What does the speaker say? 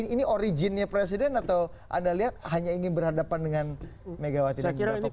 ini originnya presiden atau anda lihat hanya ingin berhadapan dengan megawati dan beberapa politik